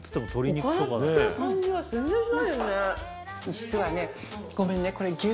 実はねごめんね。